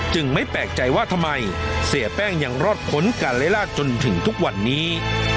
ไม่แปลกใจว่าทำไมเสียแป้งยังรอดพ้นการไล่ลากจนถึงทุกวันนี้